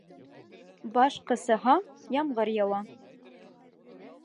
Баш ҡысыһа, ямғыр яуа.